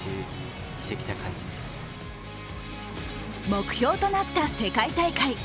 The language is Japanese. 目標となった世界大会。